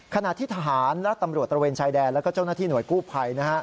ขณะที่ทหารและตำรวจตระเวนชายแดนแล้วก็เจ้าหน้าที่หน่วยกู้ภัย